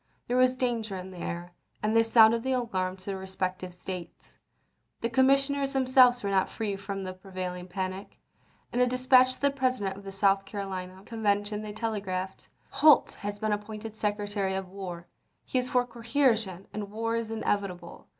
There was danger in the air, and they sounded the alarm to their respective States. The commissioners themselves were not free from the prevailing panic. In a dispatch to the President of the South Caro lina Convention they telegraphed :" Holt has been appointed Secretary of War. He is for coercion, and war is inevitable.